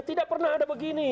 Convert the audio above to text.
tidak pernah ada begini